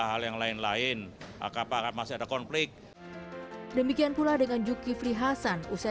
hal yang lain lain apakah masih ada konflik demikian pula dengan juki fri hasan usai